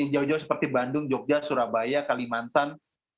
jauh jauh seperti bandung jogja surabaya kalimantan